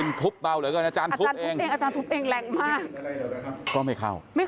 มันก็ไม่เข้านะ